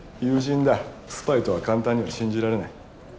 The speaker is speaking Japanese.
友人だスパイとは簡単には信じられない。